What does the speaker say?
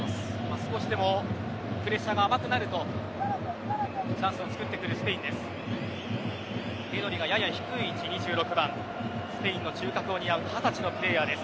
少しでもプレッシャーが甘くなるとチャンスをつくってくるスペインです。